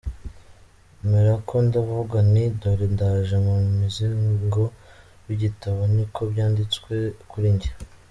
Mperako ndavuga nti “Dore ndaje, Mu muzingo w’igitabo ni ko byanditswe kuri jye.